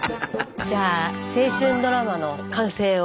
じゃあ青春ドラマの完成を。